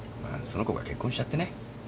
その子が結婚しちゃってね